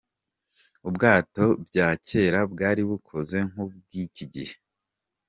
Ubwato bya kera bwari bukoze nk’ubw’iki gihe.